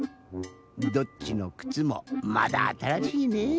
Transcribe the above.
どっちのくつもまだあたらしいねぇ。